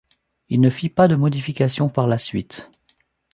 Il ne fit pas de modification par la suite.